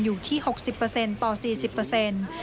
อยู่ที่๖๐ต่อ๔๐